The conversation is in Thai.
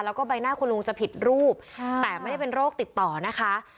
แล้วก็ใบหน้าคุณลุงจะผิดรูปแต่ไม่ได้เป็นโรคติดต่อนะคะ